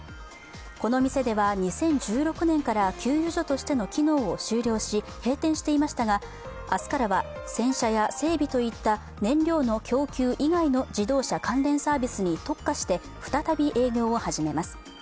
この店では２０１６年から給油所としての機能を終了し、閉店していましたが、明日からは洗車や整備といった燃料の供給以外の自動車関連サービスに特化して再び営業を始めます。